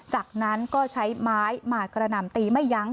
จากนั้นก็ใช้ไม้มากระหน่ำตีไม่ยั้ง